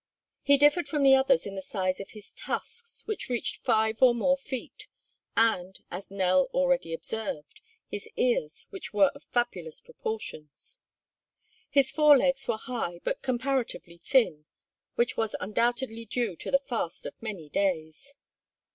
He differed from the others in the size of his tusks which reached five or more feet and, as Nell already observed, his ears, which were of fabulous proportions. His fore legs were high but comparatively thin, which was undoubtedly due to the fast of many days.